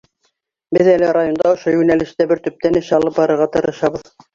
Беҙ әле районда ошо йүнәлештә бер төптән эш алып барырға тырышабыҙ.